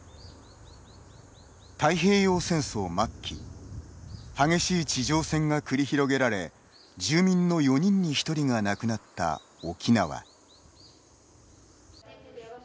太平洋戦争末期激しい地上戦が繰り広げられ住民の４人に１人が亡くなった沖縄。